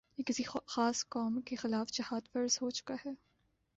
یا کسی خاص قوم کے خلاف جہاد فرض ہو چکا ہے